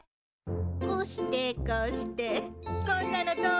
こうしてこうしてこんなのどう？